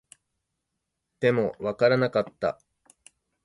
でも、わからなかった